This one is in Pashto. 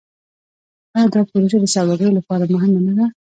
آیا دا پروژه د سوداګرۍ لپاره مهمه نه ده؟